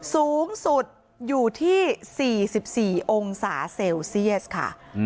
สูงสุดอยู่ที่๔๔องศาเซลเซียสค่ะ